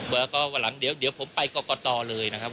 แล้วก็วันหลังเดี๋ยวผมไปกรกตเลยนะครับ